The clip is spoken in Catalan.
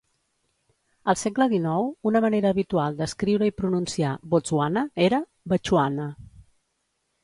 Al segle dinou, una manera habitual d'escriure i pronunciar "Botswana" era "Betxuana".